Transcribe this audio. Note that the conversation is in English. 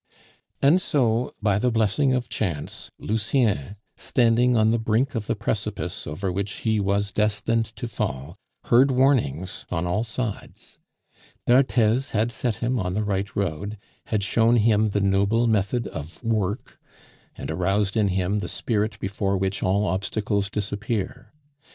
And so, by the blessing of chance, Lucien, standing on the brink of the precipice over which he was destined to fall, heard warnings on all sides. D'Arthez had set him on the right road, had shown him the noble method of work, and aroused in him the spirit before which all obstacles disappear.